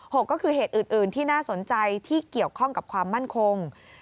หกก็คือเหตุอื่นที่น่าสนใจที่เกี่ยวข้องกับความมั่นคง